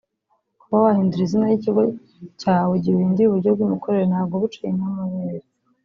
Kuba wahindura izina ry’ikigo cyawe igihe uhinduye uburyo bw’imikorere ntabwo uba uciye inka amabere